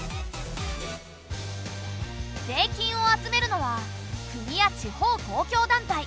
税金を集めるのは国や地方公共団体。